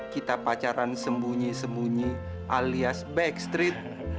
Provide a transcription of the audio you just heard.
kita pacaran sembunyi sembunyi alias backstreet